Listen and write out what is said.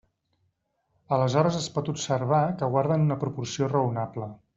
Aleshores es pot observar que guarden una proporció raonable.